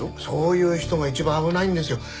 そういう人が一番危ないんですよ。